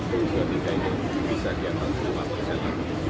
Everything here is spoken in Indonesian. kita di tahun dua ribu dua puluh tiga ini bisa jangka lima persen